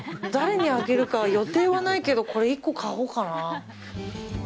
誰にあげるか予定はないけどこれ、１個買おうかな。